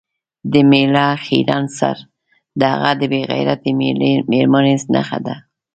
د میړه خیرن سر د هغه د بې غیرتې میرمنې نښه ده.